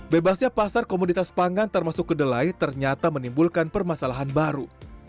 bebasnya pasar komoditas pangan termasuk kedelai ternyata menimbulkan permasalahan baru